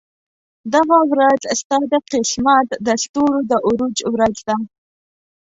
دغه ورځ ستا د قسمت د ستورو د عروج ورځ ده.